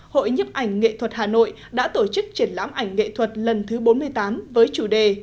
hội nhiếp ảnh nghệ thuật hà nội đã tổ chức triển lãm ảnh nghệ thuật lần thứ bốn mươi tám với chủ đề